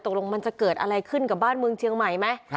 ตกลงมันจะเกิดอะไรขึ้นกับบ้านเมืองเชียงใหม่ไหม